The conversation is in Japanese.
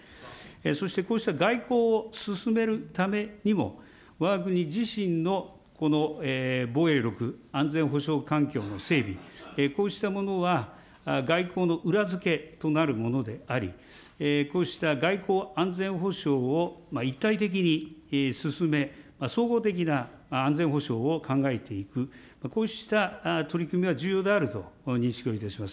そしてこうした外交を進めるためにも、わが国自身のこの防衛力、安全保障環境の整備、こうしたものは、外交の裏付けとなるものであり、こうした外交・安全保障を一体的に進め、総合的な安全保障を考えていく、こうした取り組みは重要であると認識をいたします。